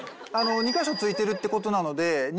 ２カ所付いてるってことなので２